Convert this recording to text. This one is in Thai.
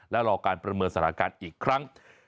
และรอการประเมินสถานการณ์อีกครั้ง